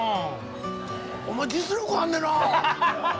お前実力あんねんなあ。